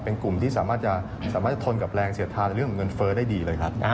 เป็นกลุ่มที่สามารถทนกับแรงเสียทานเรื่องเงินเฟ้อได้ดีเลยครับ